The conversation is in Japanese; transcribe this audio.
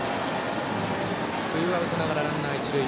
ツーアウトながらランナー、一塁。